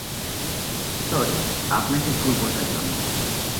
Sorry, আপনাকে ভুল বোঝার জন্য!